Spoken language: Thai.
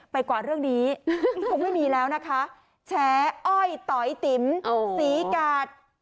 กว่าเรื่องนี้คงไม่มีแล้วนะคะแฉอ้อยต๋อยติ๋มศรีกาด